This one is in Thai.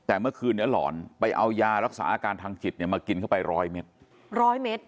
แต่เมื่อคืนนี้หลอนไปเอายารักษาอาการทางจิตเนี่ยมากินเข้าไปร้อยเม็ดร้อยเม็ด